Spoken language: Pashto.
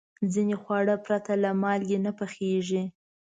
ځینې خواړه پرته له مالګې نه پخېږي.